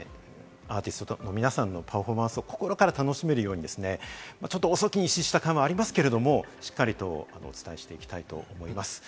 今、おっしゃったことも含めて視聴者の皆さんがアーティストの皆さんのパフォーマンスを心から楽しめるように、遅きに失した感はありますけれども、しっかりとお伝えしていきたいと思います。